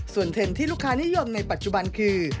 ส่วนเทรนด์ที่ลูกค้านิยมในปัจจุบันคือ